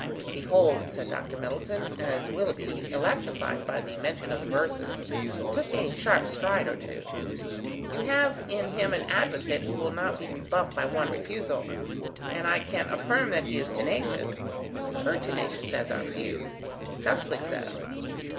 "Behold," said Dr. Middleton, as Willoughby, electrified by the mention of the verses, took a sharp stride or two, "you have in him an advocate who will not be rebuffed by one refusal, and I can affirm that he is tenacious, pertinacious as are few. Justly so.